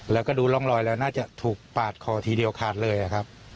แล้วก็ดูร่องรอยแล้วน่าจะถูกปาดคอทีเดียวขาดเลยครับ